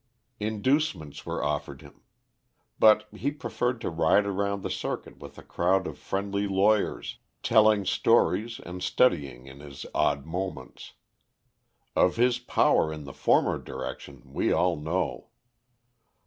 Inducements were offered him. But he preferred to ride around the circuit with a crowd of friendly lawyers, telling stories and studying in his odd moments. Of his power in the former direction, we all know.